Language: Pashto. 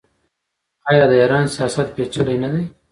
آیا د ایران سیاست پیچلی نه دی؟